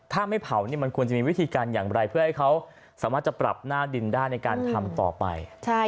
ถ้าไม่เผามันควรจะมีวิธีการอย่างไรเพื่อให้เขาสามารถจะปรับหน้าดินได้ในการทำต่อไป